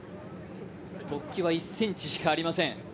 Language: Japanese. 突起は１ｃｍしかありません。